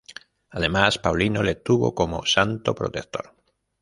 Además, Paulino le tuvo como santo protector.